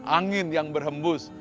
angin yang berhembus